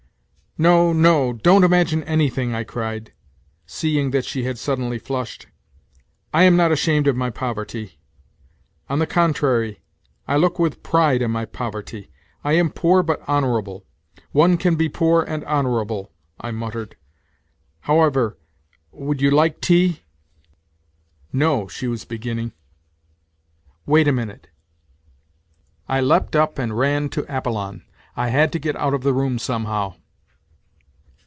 " No, no, don't imagine anything," I cried, seeing that she had suddenly flushed. " I am not ashamed of my poverty. ... On the contrary I look with pride on my poverty. I am poor but honourable. ... One can be poor and honourable," I muttered. " However ... would you like tea? "..." No," she was beginning. " Wait a minute." NOTES FROM UNDERGROUND 145 I leapt up and ran to Apollon. I had to get out of the room somehow.